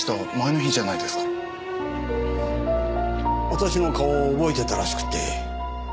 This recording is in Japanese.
私の顔を覚えてたらしくて。